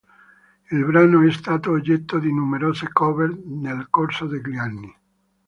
Il brano è stato oggetto di numerose cover nel corso degli anni.